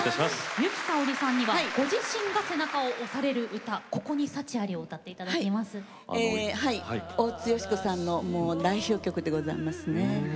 由紀さおりさんにはご自身が背中を押される歌「ここに幸あり」を大津美子さんの代表曲です。